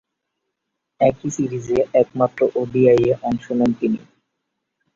একই সিরিজে একমাত্র ওডিআইয়ে অংশ নেন তিনি।